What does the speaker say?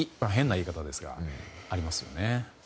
変な言い方ですがありますよね。